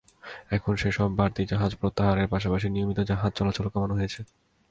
এখন সেসব বাড়তি জাহাজ প্রত্যাহারের পাশাপাশি নিয়মিত জাহাজের চলাচলও কমানো হয়েছে।